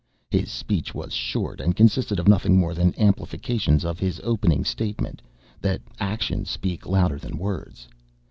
His speech was short and consisted of nothing more than amplifications of his opening statement that actions speak louder than words.